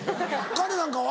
彼なんかは？